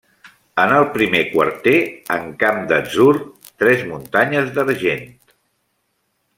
En el primer quarter, en camp d'atzur, tres muntanyes d'argent.